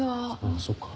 ああそうか。